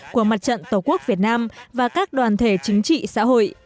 của mặt trận tổ quốc việt nam và các đoàn thể chính trị xã hội